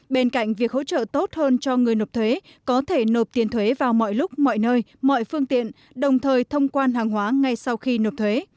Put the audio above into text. bên cạnh việc hỗ trợ tốt hơn cho người nộp thuế có thể nộp tiền thuế vào mọi lúc mọi nơi mọi phương tiện đồng thời thông quan hàng hóa ngay sau khi nộp thuế